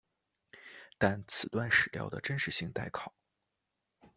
但此段史料的真实性待考。